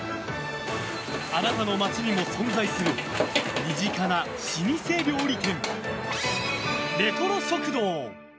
あなたの町にも存在する身近な老舗料理店、レトロ食堂。